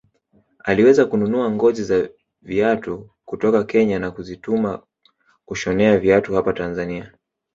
Aliweza kununua ngozi za viatu kutoka Kenya na kuzitumia kushonea viatu hapa Tanzania